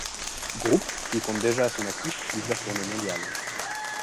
Groupe qui compte déjà à son actif plusieurs tournées mondiales.